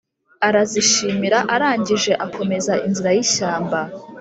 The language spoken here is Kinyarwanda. Arazishimira, arangije akomeza inzira y'ishyamba